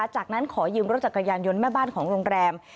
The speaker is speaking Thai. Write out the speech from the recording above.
จากนั้นขอยืมรถจักรยานยนต์แม่บ้านของโรงแรม